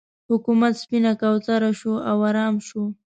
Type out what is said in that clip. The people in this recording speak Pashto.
حکومت سپینه کوتره شو او ارام شو.